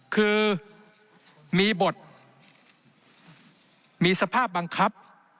คือมีบทมีสภาพบังคับ